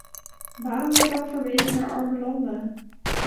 Waarom wordt dan verwezen naar arme landen?